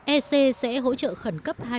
ec sẽ hỗ trợ khẩn cấp